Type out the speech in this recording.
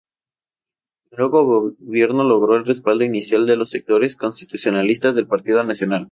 El nuevo gobierno logró el respaldo inicial de los sectores "constitucionalistas" del Partido Nacional.